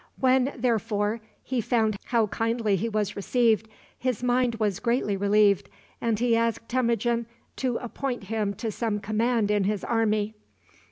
When, therefore, he found how kindly he was received, his mind was greatly relieved, and he asked Temujin to appoint him to some command in his army.